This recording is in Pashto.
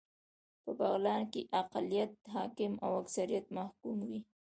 په بغلان کې اقليت حاکم او اکثريت محکوم و